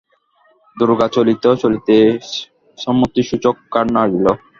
দুর্গা চলিতে চলিতে সম্মতিসূচক ঘাড় নাড়িল।